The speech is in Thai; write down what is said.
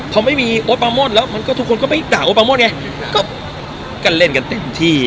พอไม่มีแล้วมันก็ทุกคนก็ไม่ด่าไงก็กันเล่นกันเต็มที่